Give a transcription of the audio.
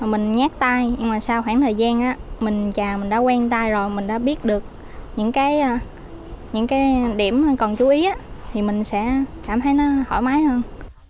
mình nhát tay nhưng mà sau khoảng thời gian mình chà mình đã quen tay rồi mình đã biết được những cái điểm còn chú ý thì mình sẽ cảm thấy nó thoải mái hơn